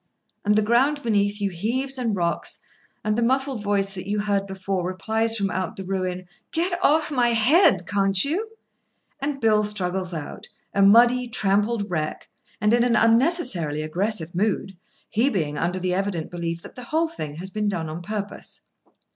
and the ground beneath you heaves and rocks, and the muffled voice that you heard before replies from out the ruin: "Get off my head, can't you?" And Bill struggles out, a muddy, trampled wreck, and in an unnecessarily aggressive mood—he being under the evident belief that the whole thing has been done on purpose.